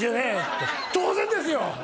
って「当然ですよ！」